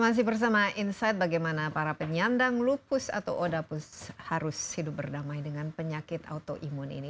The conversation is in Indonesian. masih bersama insight bagaimana para penyandang lupus atau odapus harus hidup berdamai dengan penyakit autoimun ini